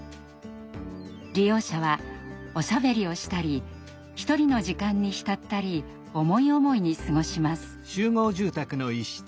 利用者はおしゃべりをしたりひとりの時間に浸ったり思い思いに過ごします。